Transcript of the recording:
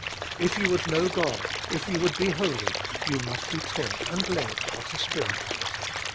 If you would know God, If you would be holy, you must be taught and led of the Spirit.